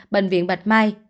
bệnh viện bạch mai